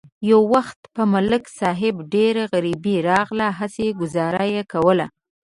یو وخت په ملک صاحب ډېره غریبي راغله، هسې گذاره یې کوله.